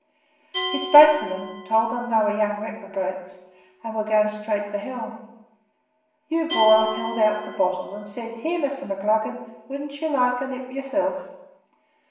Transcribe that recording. He spoke to them, told them that they were young reprobates, and were going straight to hell. Hugh Boyle held out the bottle, and said, 'Here, Mr. McLaggan, wouldn't you like a nip yourself?'